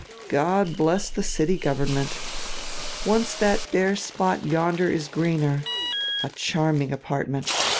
God bless die city government! Once diat bare spot yonder is greener — A charming apartment!